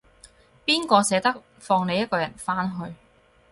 邊個捨得放你一個人返去